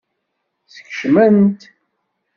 Skecmen-t?